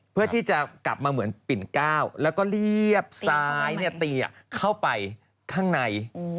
เพื่อที่จะกลับมาเหมือนปิ่นก้าวแล้วก็เรียบซ้ายตีเข้าไปข้างใน